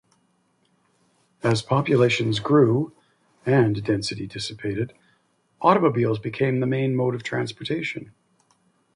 As populations grew and density dissipated automobiles became the main mode of transportation.